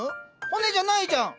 骨じゃないじゃん。